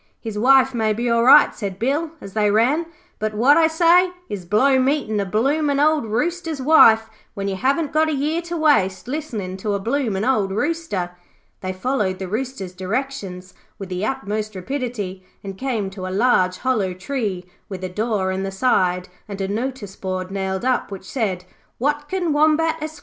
'His wife may be all right,' said Bill as they ran, 'but what I say is, blow meetin' a bloomin' old Rooster's wife when you haven't got a year to waste listenin' to a bloomin' old Rooster.' They followed the Rooster's directions with the utmost rapidity, and came to a large hollow tree with a door in the side and a notice board nailed up which said, 'Watkin Wombat, Esq.